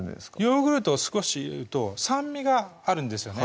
ヨーグルトを少し入れると酸味があるんですよね